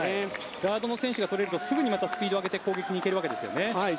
ガードの選手が取れるとまたすぐにスピードを上げて攻撃に行けるわけですよね。